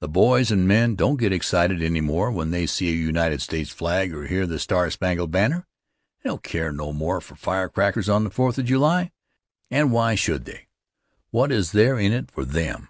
The boys and men don't get excited any more when they see a United States flag or hear "The Star Spangled Banner." They don't care no more for firecrackers on the Fourth of July. And why should they? What is there in it for them?